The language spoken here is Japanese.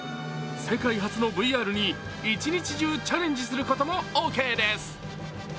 世界初のＶＲに一日中チャレンジすることもオッケーです。